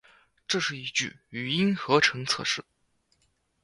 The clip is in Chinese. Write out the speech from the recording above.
这是一句语音合成测试